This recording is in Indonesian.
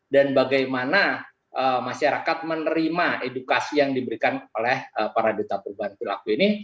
dan bagaimana masyarakat menerima edukasi yang diberikan oleh para duta perubahan perilaku ini